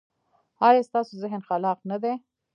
ایا ستاسو ذهن خلاق نه دی؟